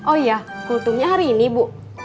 oh iya kultumnya hari ini bu